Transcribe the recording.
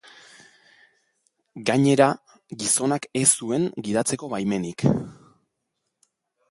Gainera, gizonak ez zuen gidatzeko baimenik.